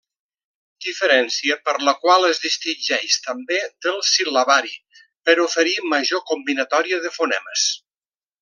Diferència per la qual es distingeix també del sil·labari, per oferir major combinatòria de fonemes.